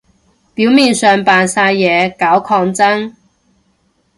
表面上扮晒嘢搞抗爭